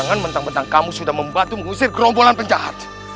jangan mentang bentang kamu sudah membantu mengusir gerombolan penjahat